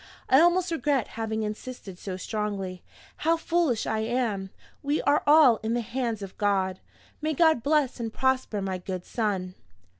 I almost regret having insisted so strongly how foolish I am! We are all in the hands of God. May God bless and prosper my good son!